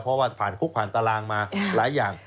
เพราะว่าผ่านคุกผ่านตารางมาหลายอย่าง